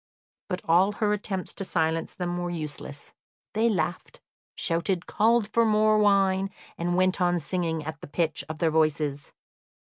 But all her attempts to silence them were useless. They laughed, shouted, called for more wine, and went on singing at the pitch of their voices.